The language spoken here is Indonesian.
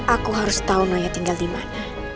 aku harus tahu naya tinggal di mana